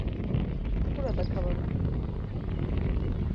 Burada kalalım.